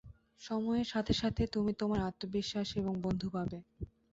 সময়ের সাথে সাথে তুমি তোমার আত্মবিশ্বাস এবং বন্ধু পাবে।